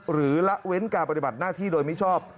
ละเว้นการปฏิบัติหน้าที่โดยมิชอบ